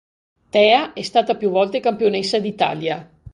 Tea è stata più volte campionessa d'Italia.